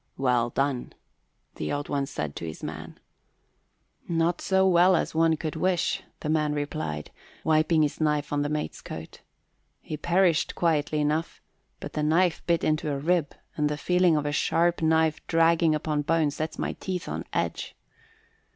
"Well done," the Old One said to his man. "Not so well as one could wish," the man replied, wiping his knife on the mate's coat. "He perished quietly enough, but the knife bit into a rib and the feeling of a sharp knife dragging upon bone sets my teeth on edge."